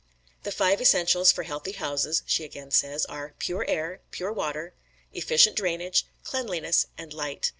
"The five essentials, for healthy houses," she again says, "are pure air, pure water, efficient drainage, cleanliness and light.